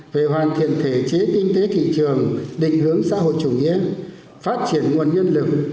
về hoàn thiện thể chế kinh tế thị trường định hướng xã hội chủ nghĩa phát triển nguồn nhân lực